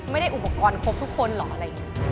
ไม่ได้อุปกรณ์ครบทุกคนเหรอ